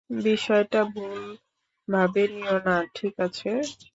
বিষয়টা ভুল ভাবে নিও না, ঠিক আছে?